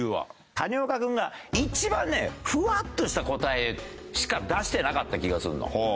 谷岡君が一番ねフワッとした答えしか出してなかった気がするの。